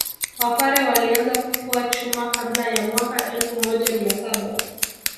Wapare walianza kufua chuma kabla ya mwaka elfu moja mia saba